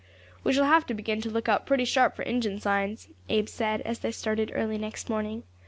"We shall have to begin to look out pretty sharp for Injin signs," Abe said, as they started early next morning.